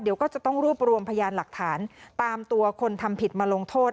เดี๋ยวก็จะต้องรวบรวมพยานหลักฐานตามตัวคนทำผิดมาลงโทษ